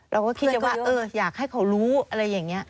เราก็คิดว่าอยากให้เขารู้อะไรอย่างนี้